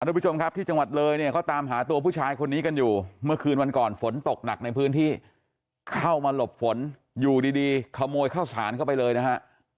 ทุกผู้ชมครับที่จังหวัดเลยเนี่ยเขาตามหาตัวผู้ชายคนนี้กันอยู่เมื่อคืนวันก่อนฝนตกหนักในพื้นที่เข้ามาหลบฝนอยู่ดีดีขโมยข้าวสารเข้าไปเลยนะฮะ